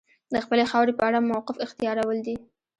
د خپلې خاورې په اړه موقف اختیارول دي.